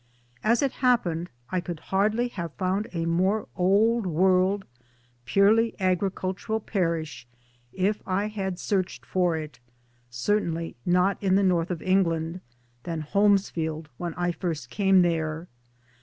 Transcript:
As it happened, I could hardly have found a more old world, purely agricultural parish, if I had searched for it certainly not in the North of England than Holmesfield when I first came there.